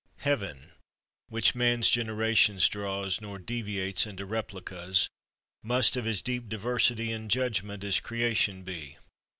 Heaven, which man's generations draws, Nor deviates into replicas, Must of as deep diversity In judgement as creation be.